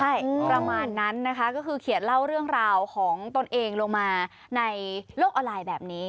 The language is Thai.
ใช่ประมาณนั้นนะคะก็คือเขียนเล่าเรื่องราวของตนเองลงมาในโลกออนไลน์แบบนี้